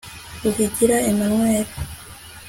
ruhigira emmanuel